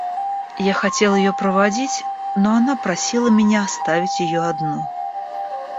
Я хотел ее проводить, но она просила меня оставить ее одну.